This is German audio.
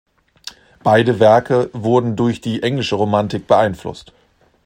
Beide Werke wurden durch die englische Romantik beeinflusst.